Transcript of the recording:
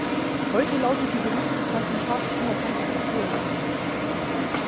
Heute lautet die Berufsbezeichnung staatlich anerkannte Erzieherin.